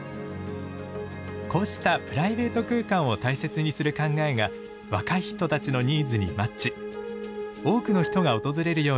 こうしたプライベート空間を大切にする考えが若い人たちのニーズにマッチ。